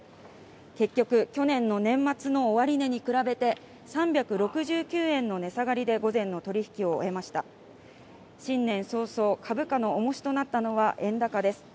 結局去年の年末の終値に比べて３６９円の値下がりで午前の取引を終えました新年早々株価の重しとなったのは円高です